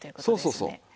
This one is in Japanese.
そうそうそう。